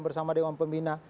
bersama dewan pembina